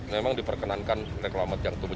memang diperkenankan reklamat yang tumbuh